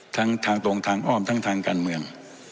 ทางตรงทางอ้อมทั้งทางการเมือง